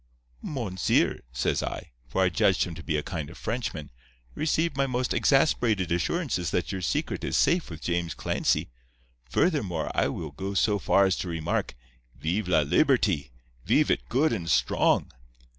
"'Monseer,' says I—for I judged him to be a kind of Frenchman—'receive my most exasperated assurances that your secret is safe with James Clancy. Furthermore, I will go so far as to remark, Veev la Liberty—veev it good and strong.